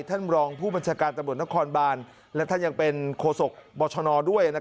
ท่านรองผู้บัญชาการตำรวจนครบานและท่านยังเป็นโคศกบชนด้วย